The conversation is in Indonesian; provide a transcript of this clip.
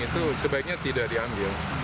itu sebaiknya tidak diambil